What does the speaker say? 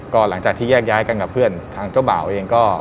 ก็หลังจากที่แยกย้ายกันกับเพื่อนทางเจ้าบ่าวเองก็